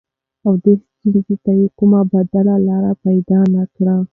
او دې ستونزې ته يې کومه بديله لاره پيدا نه کړه.